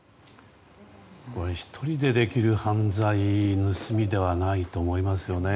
１人でできる犯罪盗みではないと思いますよね。